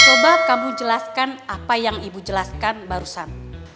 coba kamu jelaskan apa yang ibu jelaskan barusan